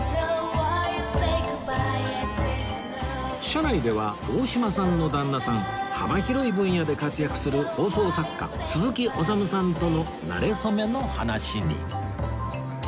車内では大島さんの旦那さん幅広い分野で活躍する放送作家鈴木おさむさんとのなれ初めの話に